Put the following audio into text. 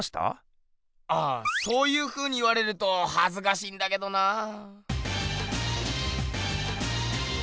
あそういうふうに言われるとはずかしいんだけどなあ。